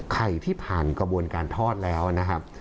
ไข่ที่ผ่านกระบวนการทอดแล้วนะครับ